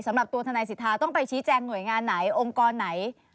สำหรับตัวทนายสิทธาต้องไปชี้แจงหน่วยงานไหนองค์กรไหน